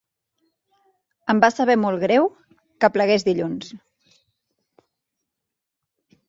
Em va saber molt greu que plegués dilluns.